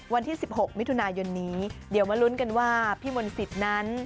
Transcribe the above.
วันที่๑๖มิถุนายนนี้เดี๋ยวมาลุ้นกันว่าพี่มนต์สิทธิ์นั้น